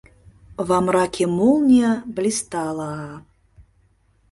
Во мраке молния блистала-а-а...